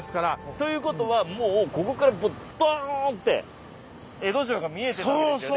ということはもうここからもうドーンって江戸城が見えてたわけですよね。